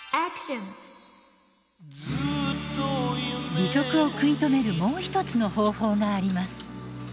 離職を食い止めるもう一つの方法があります。